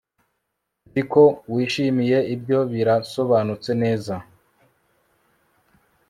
nzi ko wishimiye ibyo birasobanutse neza